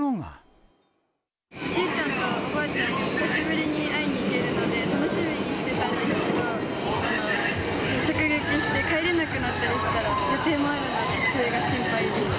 おじいちゃんとおばあちゃんに、久しぶりに会いに行けるので楽しみにしてたんですけど、直撃して帰れなくなったりしたら、予定もあるのでそれが心配です。